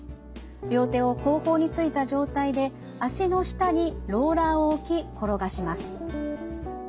両手を後方についた状態で脚の下にローラーを置き転がします。